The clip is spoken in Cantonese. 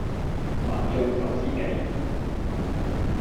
麻醬手撕雞